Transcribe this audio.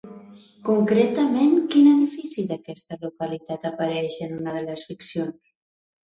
Concretament, quin edifici d'aquesta localitat apareix en una de les ficcions?